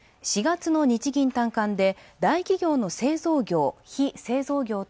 ４月の日銀短観で大企業の製造業非製造業